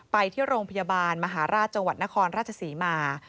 ไปที่โรงพยาบาลมหาราชจังหวัดนครราชศรีมา